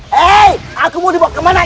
hei aku mau dibawa kemana